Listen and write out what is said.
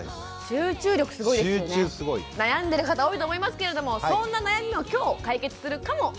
集中すごい。悩んでる方多いと思いますけれどもそんな悩みも今日解決するかもしれませんよ。